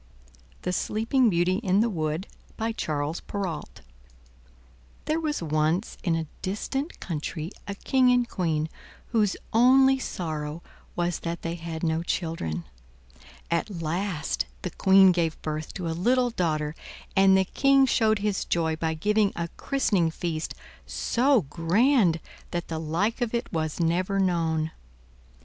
THE SLEEPING BEAUTY IN THE WOOD By Charles Perrault There was once in a distant country a King and Queen whose only sorrow was that they had no children. At last the Queen gave birth to a little daughter and the King showed his joy by giving a christening feast so grand that the like of it was never known.